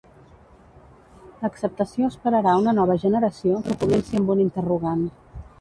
L'acceptació esperarà una nova generació que comenci amb un interrogant.